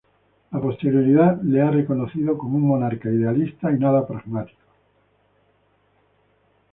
La posteridad le ha reconocido como un monarca idealista y nada pragmático.